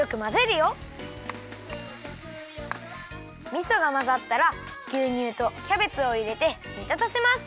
みそがまざったらぎゅうにゅうとキャベツをいれてにたたせます。